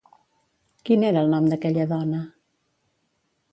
Quin era el nom d'aquella dona?